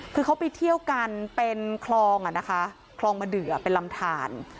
คือเขาไปเที่ยวกันเป็นคลองอ่ะนะคะคลองมะเดือเป็นลำทาน